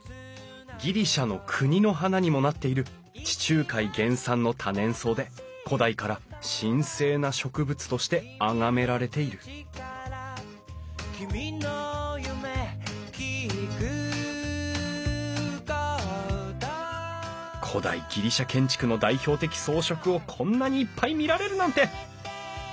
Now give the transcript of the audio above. ギリシャの国の花にもなっている地中海原産の多年草で古代から神聖な植物としてあがめられている古代ギリシャ建築の代表的装飾をこんなにいっぱい見られるなんて！